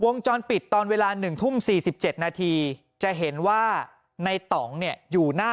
วงจรปิดตอนเวลา๑ทุ่ม๔๗นาทีจะเห็นว่าในต่องเนี่ยอยู่หน้า